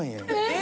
・・え！？